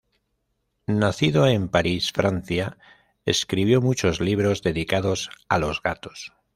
Nacido en París, Francia, escribió muchos libros dedicados a los gatos.